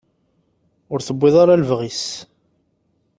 Ur tewwiḍ ara lebɣi-s.